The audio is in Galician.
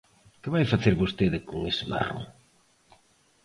¿Que vai facer vostede con ese marrón?